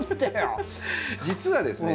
実はですね